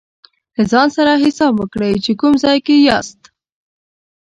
له ځان سره حساب وکړئ چې کوم ځای کې یاست.